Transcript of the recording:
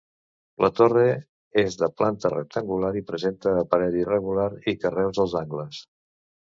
La torre és de planta rectangular i presenta aparell irregular i carreus als angles.